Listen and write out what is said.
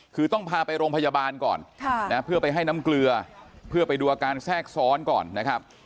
คือต้องพาไปโรงพยาบาลก่อนเพื่อไปให้น้ำเกลือเพื่อไปดูอาการแทรกซ้อนก่อนนะครับ